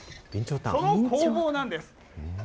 その工房なんです。